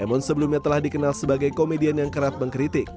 emon sebelumnya telah dikenal sebagai komedian yang keras mengkritik